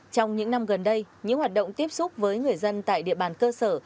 trong những năm gần đây những hoạt động tiếp xúc với người dân tại địa bàn cơ sở